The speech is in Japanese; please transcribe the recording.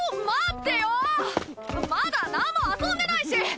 まだなんも遊んでないし！